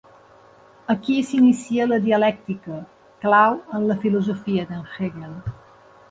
Aquí s'inicia la dialèctica, clau en la filosofia de Hegel.